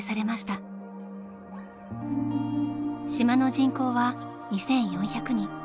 ［島の人口は２，４００人］